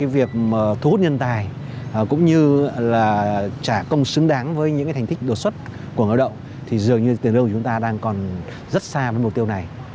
việc thu hút nhân tài cũng như là trả công xứng đáng với những thành tích đột xuất của ngôi động thì dường như tiền lương của chúng ta đang còn rất xa với mục tiêu này